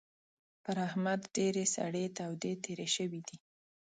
پر احمد ډېرې سړې تودې تېرې شوې دي.